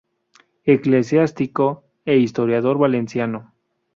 Eclesiástico e historiador valenciano.